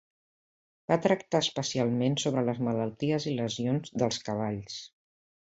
Va tractar especialment sobre les malalties i lesions dels cavalls.